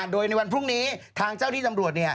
โดยในวันพรุ่งนี้ทางเจ้าที่ตำรวจ